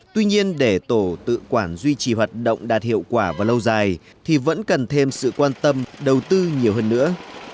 tuy nhiên để tổ tự quản duy trì hoạt động đạt hiệu quả và lâu dài thì vẫn cần thêm sự quan tâm đầu tư nhiều hơn nữa